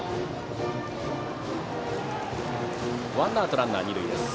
ワンアウトランナー、二塁です。